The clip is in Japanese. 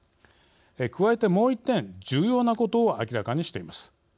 加えて、もう１点重要なことを明らかにしています。